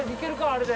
あれで。